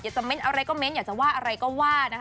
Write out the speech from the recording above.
จะเน้นอะไรก็เน้นอยากจะว่าอะไรก็ว่านะคะ